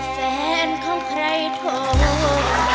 แฟนของใครโทร